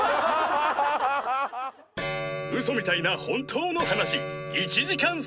ウソみたいな本当の話１時間